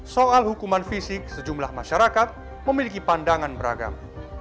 soal hukuman fisik sejumlah masyarakat memiliki pandangan beragam